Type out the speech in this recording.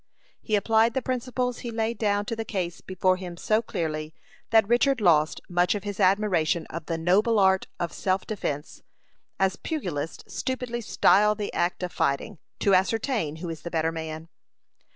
He applied the principles he laid down to the case before him so clearly, that Richard lost much of his admiration of the "noble art of self defence" as pugilists stupidly style the act of fighting, to ascertain who is the better man.